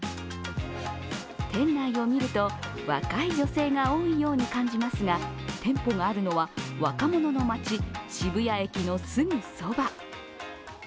店内を見ると、若い女性が多いように感じますが店舗があるのは、若者の街渋谷駅のすぐそば。